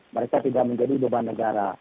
mereka tidak menjadi beban negara